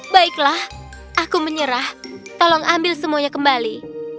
baiklah aku menyerah tolong ambil semuanya kembali